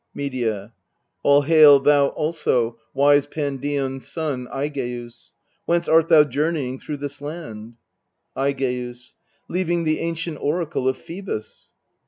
Medea. All hail thou also, wise Pandion's son, Aigeus. Whence art thou journeying through this land ? Aigeus. Leaving the ancient oracle of Phoebus.